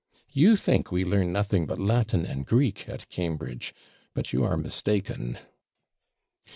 You think we learn nothing but Latin and Greek at Cambridge; but you are mistaken.'